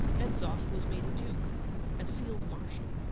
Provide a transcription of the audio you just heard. Hedzoff was made a Duke and a Field Marshal.